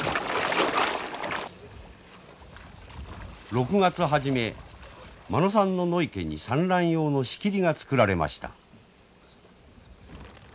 ６月初め間野さんの野池に産卵用の仕切りが作られました。